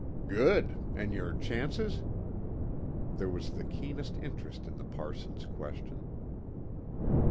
"Good. And your chances?" There was the keenest interest in the parson's question.